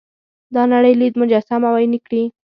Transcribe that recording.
دا نړۍ لید مجسم او عیني کړي.